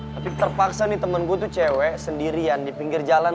tapi terpaksa nih temenku tuh cewek sendirian di pinggir jalan